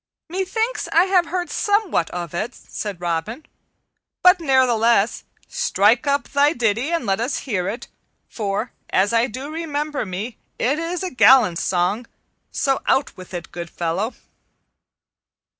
"Methinks I have heard somewhat of it," said Robin; "but ne'ertheless strike up thy ditty and let us hear it, for, as I do remember me, it is a gallant song; so out with it, good fellow."